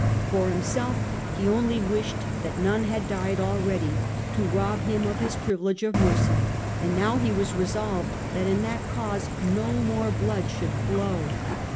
For himself he only wished that none had died already, to rob him of his privilege of mercy, and now he was resolved that in that cause no more blood should flow.